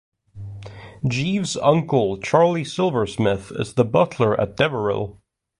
Jeeves's uncle Charlie Silversmith is the butler at Deverill.